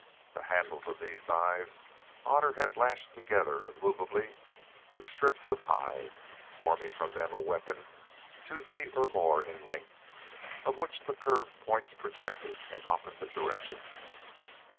The handles of these knives Otter had lashed together immovably with strips of hide, forming from them a weapon two feet or more in length, of which the curved points projected in opposite directions.